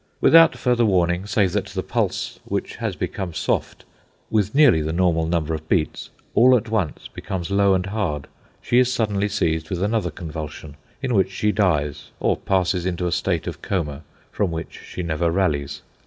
Without further warning, save that the pulse, which has become soft, with nearly the normal number of beats, all at once becomes low and hard; she is suddenly seized with another convulsion, in which she dies, or passes into a state of coma from which she never rallies.